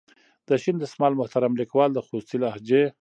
د شین دسمال محترم لیکوال د خوستي لهجې.